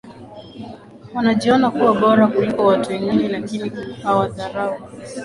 wanajiona kuwa bora kuliko watu wengine lakini hawadharau